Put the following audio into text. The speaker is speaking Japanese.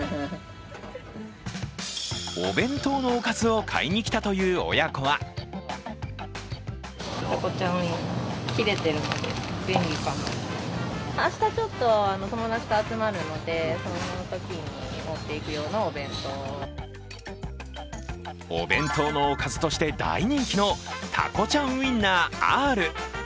お弁当のおかずを買いに来たという親子はお弁当のおかずとして大人気のタコちゃんウインナーＲ。